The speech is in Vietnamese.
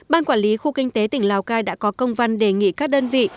ban quản lý khu kinh tế tỉnh lào cai đã có công văn đề nghị các đơn vị